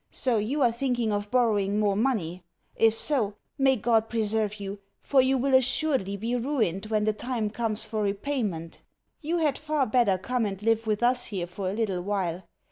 So you are thinking of borrowing more money? If so, may God preserve you, for you will assuredly be ruined when the time comes for repayment! You had far better come and live with us here for a little while.